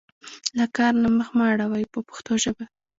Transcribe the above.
له کار نه مخ مه اړوئ په پښتو ژبه.